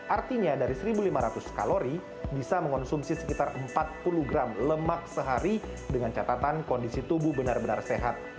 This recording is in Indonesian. artinya dari satu lima ratus kalori bisa mengonsumsi sekitar empat puluh gram lemak sehari dengan catatan kondisi tubuh benar benar sehat